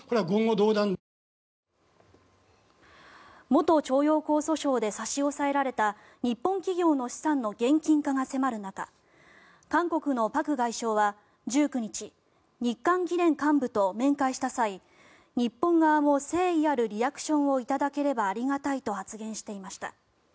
元徴用工訴訟で差し押さえられた日本企業の資産の現金化が迫る中韓国のパク外相は１９日日韓議連幹部と面会した際日本側も誠意あるリアクションをいただければありがたいと発言していました。